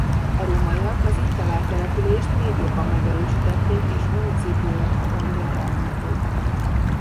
A rómaiak az itt talált települést még jobban megerősítették és municipium rangjára emelték.